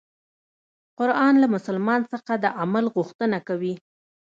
قرآن له مسلمان څخه د عمل غوښتنه کوي.